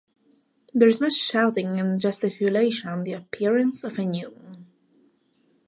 There is much shouting and gesticulation on the appearance of a new moon.